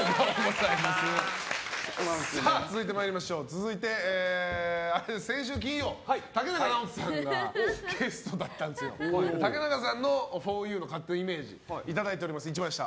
続いて先週金曜、竹中直人さんがゲストだったんですけど竹中さんの、ふぉゆの勝手なイメージいただいております。